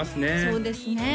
そうですね